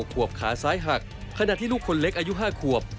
ขวบขาซ้ายหักขณะที่ลูกคนเล็กอายุ๕ขวบ